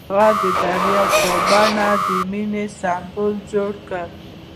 هغه د دریا په بڼه د مینې سمبول جوړ کړ.